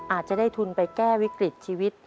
อาจจะได้ทุนไปแก้วิกฤตชีวิต